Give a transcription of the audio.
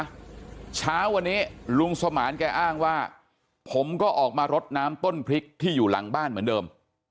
เช้าวันนี้ลุงสมานแกอ้างว่าผมก็ออกมารดน้ำต้นพริกที่อยู่หลังบ้านเหมือนเดิม